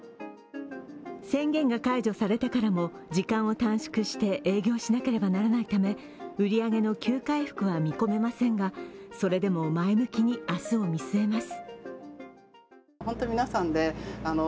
宣言が解除されてからも時間を短縮して営業しなければならないため売り上げの急回復は見込めませんがそれでも前向きに明日を見据えます。